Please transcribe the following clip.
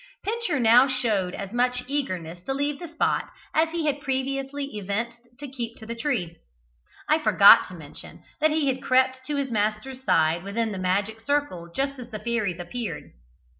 Pincher now showed as much eagerness to leave the spot as he had previously evinced to keep to the tree. I forgot to mention that he had crept to his master's side within the magic circle just as the fairies appeared.